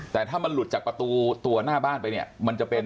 แต่ถ้ามันหลุดจากประตูตัวหน้าบ้านไปเนี่ยมันจะเป็น